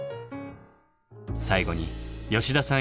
最後に吉田さん